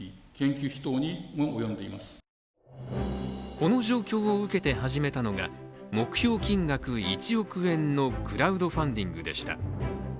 この状況を受けて始めたのが目標金額１億円のクラウドファンディングでした。